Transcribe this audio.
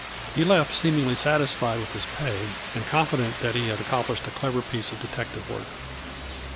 He left seemingly satisfied with his pay, and confident that he had accomplished a clever piece of detective work.